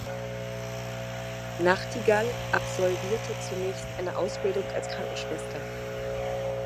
Nachtigall absolvierte zunächst eine Ausbildung als Krankenschwester.